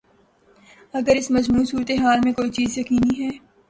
اگر اس مجموعی صورت حال میں کوئی چیز یقینی ہے۔